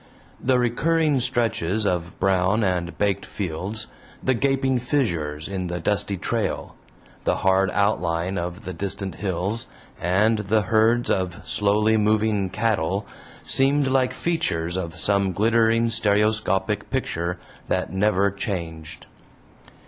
The recurring stretches of brown and baked fields, the gaping fissures in the dusty trail, the hard outline of the distant hills, and the herds of slowly moving cattle, seemed like features of some glittering stereoscopic picture that never changed.